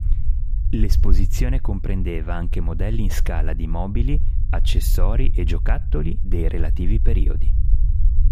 L'esposizione comprendeva anche modelli in scala di mobili, accessori e giocattoli dei relativi periodi.